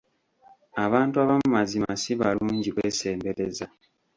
Abantu abamu mazima si balungi kwesembereza.